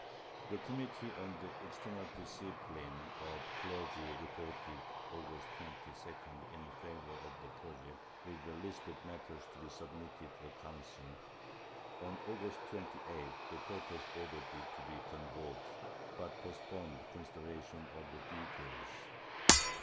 The com mittee on the external discipline of the clergy reported, August 22d, in favor of the project, with a list of matters to be submitted to the Council ; on August 28th the Cortes ordered it to be convoked, but postponed consideration of the details.